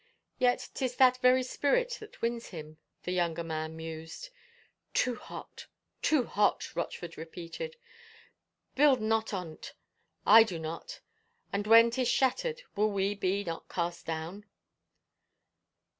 " Yet 'tis that very spirit that wins him," the younger man mused. " Too hot — too hot," Rochford repeated. " Build not on't I do not. Then when 'tis shattered will we be not cast down."